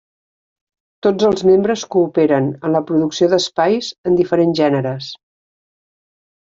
Tots els membres cooperen en la producció d'espais en diferents gèneres.